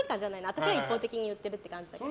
私が一方的に言ってるって感じだけど。